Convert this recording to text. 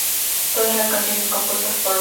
Todas las canciones compuestas por Gordon Gano.